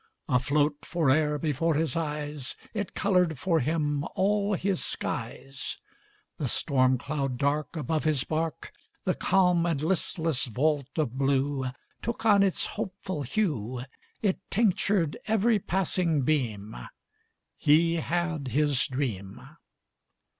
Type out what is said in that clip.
Afloat fore'er before his eyes, It colored for him all his skies: The storm cloud dark Above his bark, The calm and listless vault of blue Took on its hopeful hue, It tinctured every passing beam He had his dream.